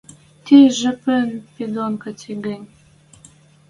Ти жепӹн пи дон коти ганьы?..